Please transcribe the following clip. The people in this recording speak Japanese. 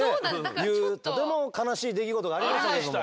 とても悲しい出来事がありましたけれども。